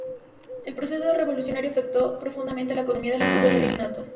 El proceso revolucionario afectó profundamente a la economía del antiguo Virreinato.